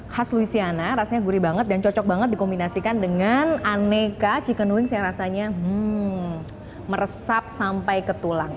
khas louisiana rasanya gurih banget dan cocok banget dikombinasikan dengan aneka chicken wings yang rasanya meresap sampai ke tulang